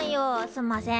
すんません。